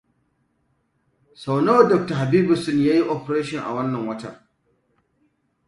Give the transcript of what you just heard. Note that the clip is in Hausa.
Sau nawa Dr. Habibuson ya yi operation a wannan watan?